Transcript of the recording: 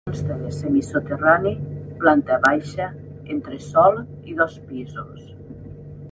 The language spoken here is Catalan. Consta de semisoterrani, planta baixa, entresòl i dos pisos.